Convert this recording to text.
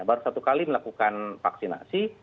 baru satu kali melakukan vaksinasi